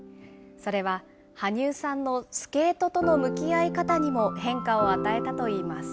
それは、羽生さんのスケートとの向き合い方にも変化を与えたといいます。